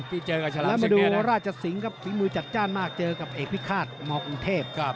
เจอกับฉลามมาดูราชสิงครับฝีมือจัดจ้านมากเจอกับเอกพิฆาตมกรุงเทพ